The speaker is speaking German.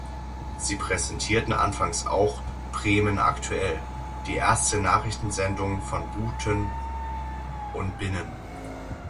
Sie präsentierten anfangs auch „Bremen aktuell“, die erste Nachrichtensendung von buten un binnen.